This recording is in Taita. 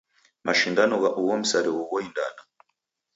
Mashindano gha ugho msarigho ghoindana.